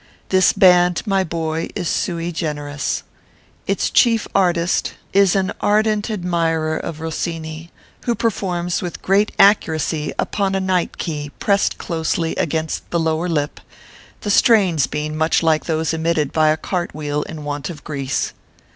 This band, my boy, is sui generis. Its chief artist is ORPHEUS C. KERR PAPERS. 245 an ardent admirer of Rossini, who performs with great accuracy upon a night key pressed closely against the lower lip, the strains being much like those emitted by a cart wheel in want of grease.